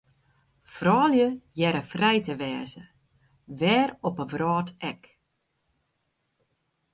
Froulju hearre frij te wêze, wêr op 'e wrâld ek.